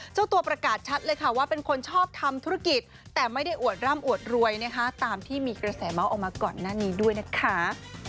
เจ้าตัวประกาศชัดเลยค่ะว่าเป็นคนชอบทำธุรกิจแต่ไม่ได้อวดร่ำอวดรวยนะคะตามที่มีกระแสเมาส์ออกมาก่อนหน้านี้ด้วยนะคะ